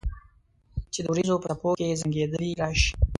چې د اوریځو په څپو کې زنګیدلې راشي